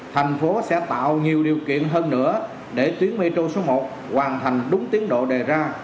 thành phố sẽ tạo nhiều điều kiện hơn nữa để tuyến metro số một hoàn thành đúng tiến độ đề ra